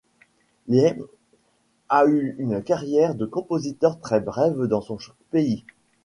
Ley a eu une carrière de compositeur très brève dans son pays.